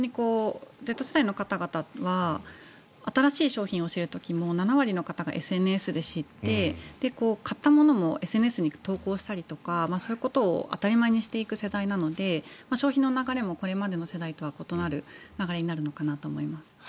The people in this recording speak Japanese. Ｚ世代の方々は新しい商品を知る時も７割の方がＳＮＳで知って買ったものもＳＮＳに投稿したりとかそういうことを当たり前にしていく世代なので消費の流れもこれまでの世代とは異なる流れになるのかと思います。